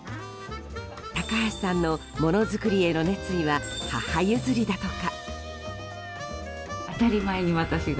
高橋さんの物作りへの熱意は母譲りだとか。